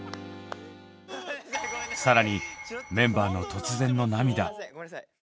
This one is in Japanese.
更にメンバーの突然の涙。